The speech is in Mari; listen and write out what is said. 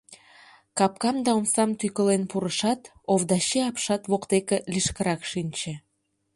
Капкам да омсам тӱкылен пурышат, Овдачи апшат воктеке лишкырак шинче.